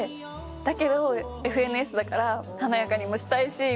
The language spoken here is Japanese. だけど『ＦＮＳ』だから華やかにもしたいしみたいな。